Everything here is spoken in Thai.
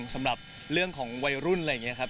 สำหรับเรื่องของวัยรุ่นอะไรอย่างนี้ครับ